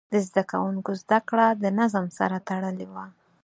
د زده کوونکو زده کړه د نظم سره تړلې وه.